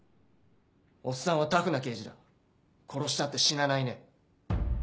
おっさんはタフな刑事だ殺したって死なないね。